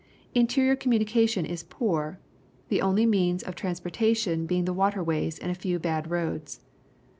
Interior communication is poor, the only means of transportation being the water ways and a few bad roads.